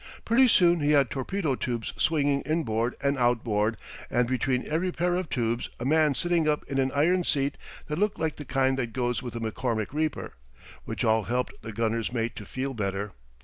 Pretty soon he had torpedo tubes swinging inboard and outboard, and between every pair of tubes a man sitting up in an iron seat that looked like the kind that goes with a McCormick reaper, which all helped the gunner's mate to feel better.